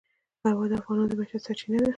هوا د افغانانو د معیشت سرچینه ده.